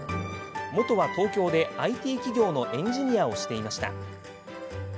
元は東京でＩＴ企業のエンジニアをしていました。